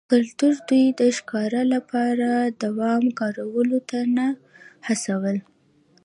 کلتور دوی د ښکار لپاره دام کارولو ته نه هڅول